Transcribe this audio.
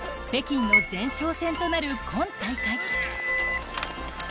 北京の前哨戦となる今大会。